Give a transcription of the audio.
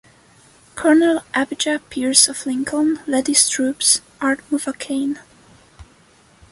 Colonel Abijah Pierce of Lincoln led his troops, armed with a cane.